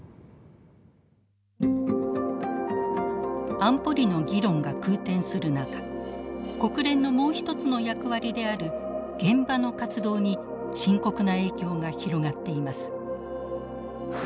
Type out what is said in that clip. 安保理の議論が空転する中国連のもうひとつの役割である現場の活動に深刻な影響が広がっています。